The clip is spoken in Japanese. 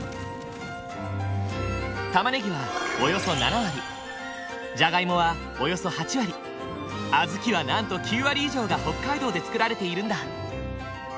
たまねぎはおよそ７割じゃがいもはおよそ８割あずきはなんと９割以上が北海道で作られているんだ。